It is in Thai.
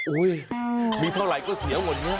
อุ๊ยมีเท่าไรก็เสียหมดเนี่ย